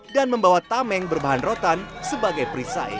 dan membawa tameng berbahan rotan sebagai perisai